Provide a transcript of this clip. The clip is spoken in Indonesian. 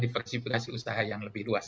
diversifikasi usaha yang lebih luas